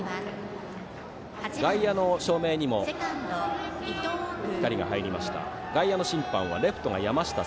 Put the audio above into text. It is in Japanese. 外野の照明にも光が入りました。